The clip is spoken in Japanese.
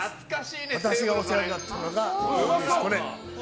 私がお世話になったのがこれ。